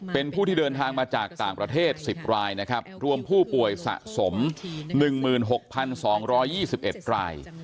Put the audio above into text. เป็นผู้ที่เดินทางมาจากต่างประเทศ๑๐รายนะครับรวมผู้ป่วยสะสม๑๖๒๒๑ราย